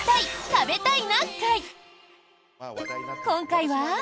今回は。